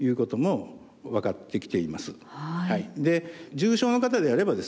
重症の方であればですね